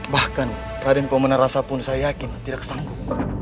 bahkan raden pemenang rasa pun saya yakin tidak sanggup